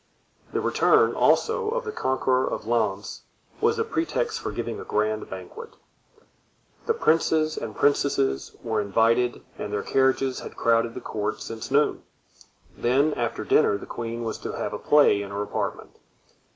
The return, also, of the conqueror of Lens was the pretext for giving a grand banquet. The princes and princesses were invited and their carriages had crowded the court since noon; then after dinner the queen was to have a play in her apartment.